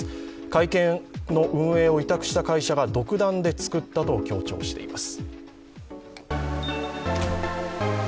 会見の運営を委託した会社が独断で作ったと強調しています。